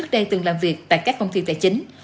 đang từng làm việc tại các công ty tài chính